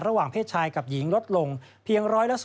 ระหว่างเพศชายกับหญิงลดลงเพียง๑๐๐และ๐๖